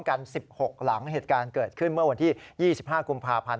กัน๑๖หลังเหตุการณ์เกิดขึ้นเมื่อวันที่๒๕กุมภาพันธ์